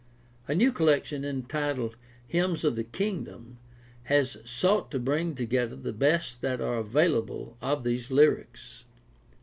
A new collection entitled Hymns of the Kingdom has sought to bring together the best that are available of these lyrics.